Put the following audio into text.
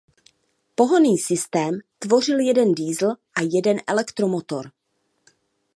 Pohonný systém tvořil jeden diesel a jeden elektromotor.